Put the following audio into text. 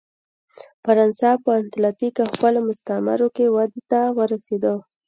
فرانسه په اتلانتیک او خپلو مستعمرو کې ودې ته ورسېده.